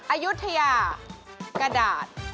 อายุทยากระดาษ